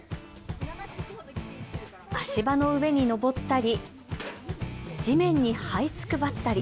足場の上にのぼったり、地面にはいつくばったり。